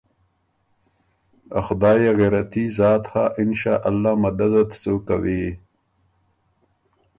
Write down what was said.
ا خدایٛ يې غېرتي ذات هۀ انشأالله مدد ت سُو کوی۔